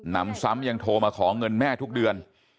นำซ้ำยังโทรมาขอเงินแม่ทุกเดือน